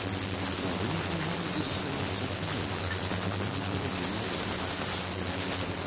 У выніку моладзі застаецца самой вырашаць праблему правядзення вольнага часу.